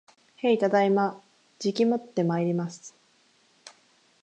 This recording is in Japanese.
へい、ただいま。じきもってまいります